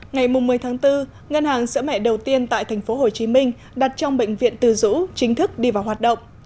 ngày một mươi tháng bốn ngân hàng sữa mẹ đầu tiên tại tp hcm đặt trong bệnh viện từ dũ chính thức đi vào hoạt động